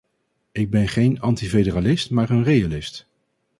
Ik ben geen antifederalist maar een realist.